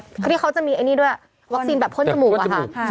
ที่เขาจะมีไอ้นี่ด้วยวัคซีนแบบพ่นจมูกอะค่ะ